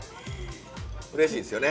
うれしいですよね。